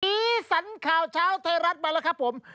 สีสันข่าวเช้าไทยรัฐมาแล้วครับผม